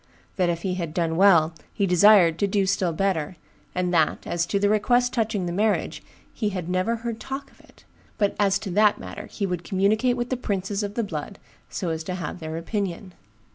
. that if he had done well, he desired to do still better; and that, as to the request touching the marriage, he had never heard talk of it; but that as to that matter, he would communicate with the princes of the blood, so as to have their opinion.